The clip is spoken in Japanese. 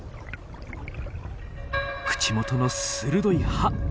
口元の鋭い歯。